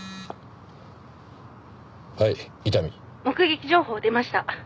「目撃情報出ました。